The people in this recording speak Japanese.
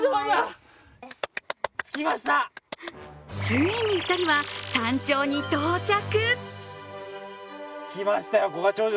ついに２人は山頂に到着。